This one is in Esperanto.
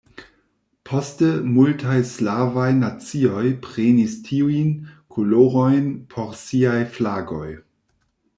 Poste multaj slavaj nacioj prenis tiujn kolorojn por siaj flagoj.